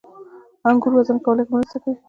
• انګور وزن کمولو کې مرسته کوي.